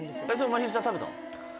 まひるちゃん食べたの？